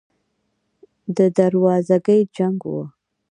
د دروازګۍ جنګ و.